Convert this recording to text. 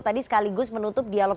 tadi sekaligus menutup dialog